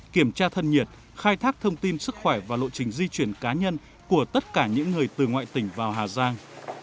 kiểm tra thân nhiệt khai thác thông tin sức khỏe và lộ trình di chuyển cá nhân của tất cả những người từ ngoại tỉnh vào hà giang